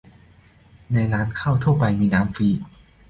ในร้านข้าวทั่วไปมีน้ำฟรี